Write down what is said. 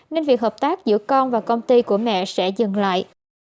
nên việc hợp tác giữa con và công ty của mẹ sẽ dừng lại